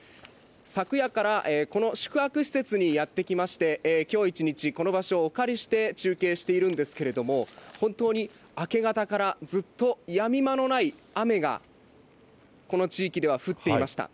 昨夜からこの宿泊施設にやって来まして、きょう一日、この場所をお借りして中継しているんですけれども、本当に明け方からずっとやみ間のない雨が、この地域では降っていました。